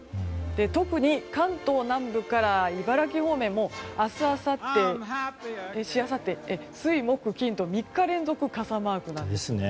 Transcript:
特に関東南部から茨城方面明日あさって、しあさって水、木、金と３日連続傘マークです。